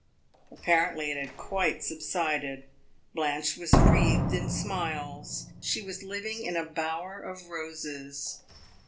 Apparently it had quite subsided; Blanche was wreathed in smiles; she was living in a bower of roses.